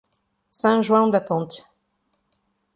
São João da Ponte